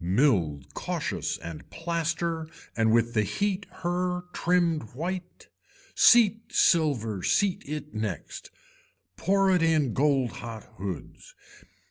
Milled cautious and plaster and with the heat her trimmed white. Seat silver, seat it next. Poor it in gold hot hoods.